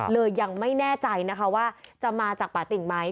ยังไม่แน่ใจนะคะว่าจะมาจากป่าติ่งไหม